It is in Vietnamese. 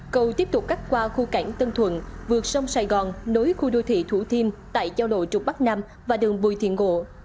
cầu tiếp tục cắt qua khu cảng tân thuận vượt sông sài gòn nối khu đô thị thủ thiêm tại giao lộ trục bắc nam và đường bùi thiện ngộ